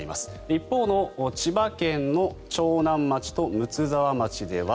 一方の千葉県の長南町と睦沢町では